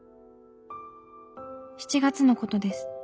７月のことです。